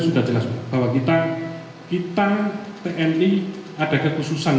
sudah jelas bahwa kita tni ada kekhususan